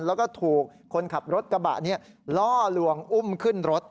แล้วก็ถูกคนขับรถกระบะนี้ล่อลวงอุ้มขึ้นรถ